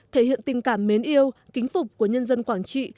thể hiện tình cảm mến yêu kính phục của nhân dân quảng trị